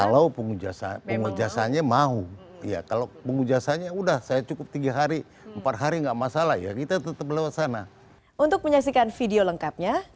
nah kalau pengguna jasanya mau kalau pengguna jasanya sudah saya cukup tiga hari empat hari tidak masalah ya kita tetap lewat sana